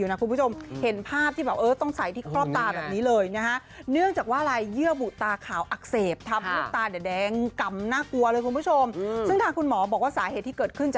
นอนแล้วบางทีมือเราไปเกาไปขยี้ตาแดงแบบนี้คุณผู้ชมภายดูภาพอยู่นะ